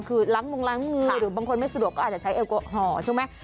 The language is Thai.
คือล้างมงล้างมือหรือบางคนไม่สะดวกก็อาจจะใช้แอลกอฮอล์ใช่ไหม